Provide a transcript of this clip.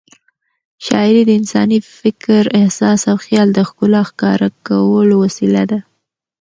شاعري د انساني فکر، احساس او خیال د ښکلا ښکاره کولو وسیله ده.